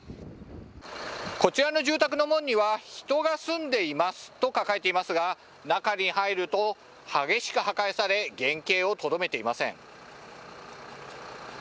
こちらの住宅の門には人が住んでいますと書かれていますが中に入ると激しく破壊され原形をとどめていません。